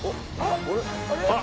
あっ！